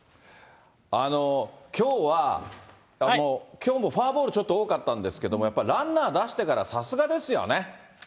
きょうは、きょうもフォアボールちょっと多かったんですけども、やっぱりランナー出してからさすがですよね。